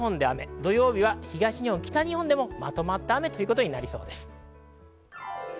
土曜日は東日本、北日本でもまとまった雨となりそうです。